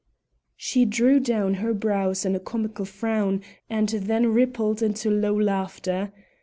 She drew down her brows in a comical frown, and then rippled into low laughter.